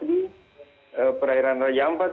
di perairan raja ampat